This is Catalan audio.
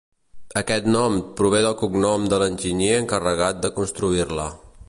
Aquest nom prové del cognom de l'enginyer encarregat de construir-la.